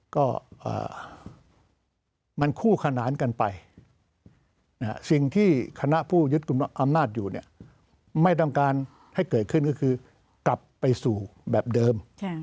ก็มันคู่ขนานกันไปสิ่งที่คณะผู้ยึดกลุ่มอำนาจอยู่เนี่ยไม่ต้องการให้เกิดขึ้นก็คือกลับไปสู่แบบเดิม